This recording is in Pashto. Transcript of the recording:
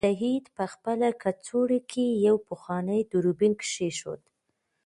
سعید په خپله کڅوړه کې یو پخوانی دوربین کېښود.